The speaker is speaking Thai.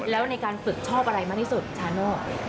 แล้วในการฝึกชอบอะไรมากที่สุดชาโน่